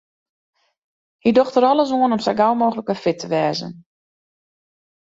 Hy docht der alles oan om sa gau mooglik wer fit te wêzen.